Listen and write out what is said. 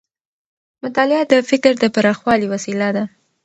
مطالعه د فکر د پراخوالي وسیله ده.